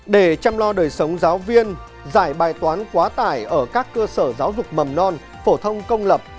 để chăm lo đời sống giáo viên giải bài toán quá tải ở các cơ sở giáo dục mầm non phổ thông công lập